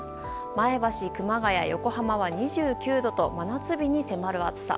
前橋、熊谷、横浜は２９度と真夏日に迫る暑さ。